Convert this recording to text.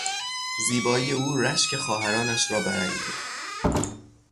زیبایی او رشک خواهرانش را برانگیخت.